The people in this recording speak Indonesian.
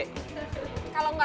ke arah jalan gede